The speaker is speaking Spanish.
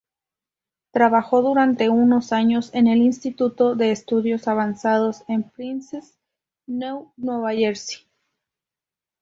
Trabajó durante un años en el Instituto de Estudios Avanzados en Princeton, New Jersey.